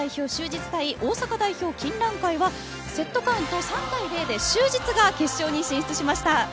・就実対大阪代表・金蘭会はセットカウント３対０で就実が決勝に進出しました。